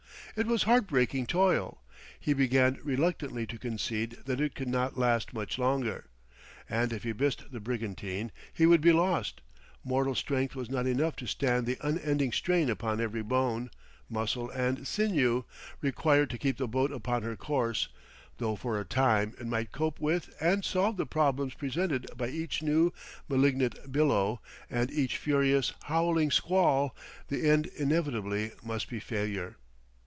It was heartbreaking toil; he began reluctantly to concede that it could not last much longer. And if he missed the brigantine he would be lost; mortal strength was not enough to stand the unending strain upon every bone, muscle and sinew, required to keep the boat upon her course; though for a time it might cope with and solve the problems presented by each new, malignant billow and each furious, howling squall, the end inevitably must be failure.